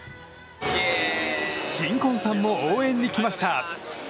新婚さんも応援に来ました。